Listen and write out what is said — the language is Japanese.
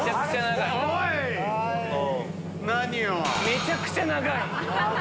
めちゃくちゃ長い。